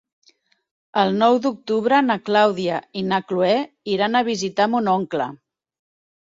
El nou d'octubre na Clàudia i na Cloè iran a visitar mon oncle.